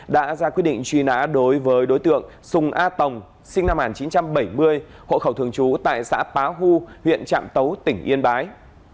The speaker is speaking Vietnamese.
đã ra quyết định truy nã đối với đối tượng sùng a tồng sinh năm một nghìn chín trăm bảy mươi hộ khẩu thường trú tại xã bá hu huyện trạm tấu tỉnh yên bái